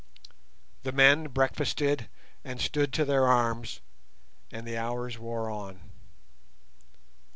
The men breakfasted and stood to their arms, and the hours wore on.